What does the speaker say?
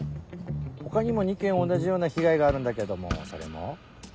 他にも２件同じような被害があるんだけどもそれも？